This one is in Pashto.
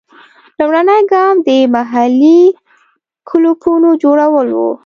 لومړنی ګام د محلي کلوپونو جوړول وو.